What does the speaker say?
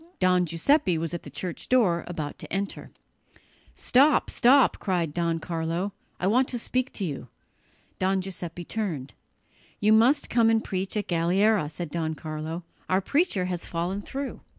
Don Giuseppe was at the church door, about to enter. "Stop, stop," cried Don Carlo, "I want to speak to you." Don Giuseppe turned. "You must come and preach at Galliera," said Don Carlo; "our preacher has fallen through."